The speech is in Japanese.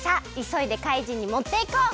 そいでかいじんにもっていこう！